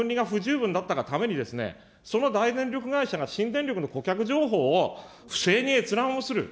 ところが、その送電網と、経営上、明確な分離が不十分だったがために、その大電力会社が新電力の顧客情報を不正に閲覧をする。